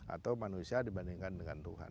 atau manusia dibandingkan dengan tuhan